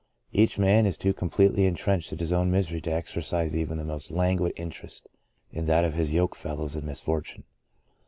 Each man is too completely entrenched in his own misery to exercise even the most languid interest in that of his yoke fellows in misfortune.